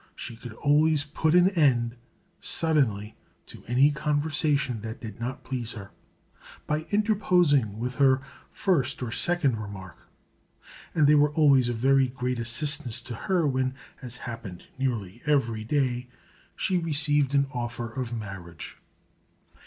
She could always put an end suddenly to any conversation that did not please her, by interposing with her first or second remark; and they were also a very great assistance to her when, as happened nearly every day, she received an offer of marriage.